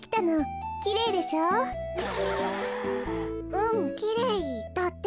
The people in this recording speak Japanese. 「うんきれい」だって。